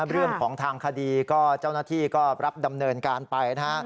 เรื่องของทางคดีก็เจ้าหน้าที่ก็รับดำเนินการไปนะฮะ